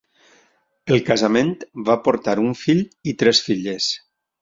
El casament va portar un fill i tres filles.